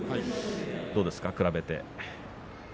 どうですか、比べて。